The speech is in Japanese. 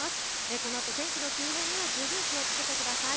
このあと天気の急変には十分気をつけてください。